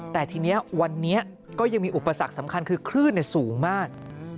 แต่ทีนี้วันนี้ก็ยังมีอุปสรรคสำคัญคือคลื่นสูงมาก